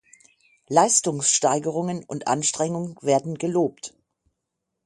Leistungssteigerungen und Anstrengungen werden gelobt.